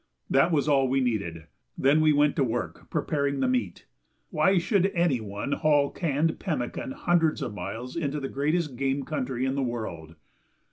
That was all we needed. Then we went to work preparing the meat. Why should any one haul canned pemmican hundreds of miles into the greatest game country in the world?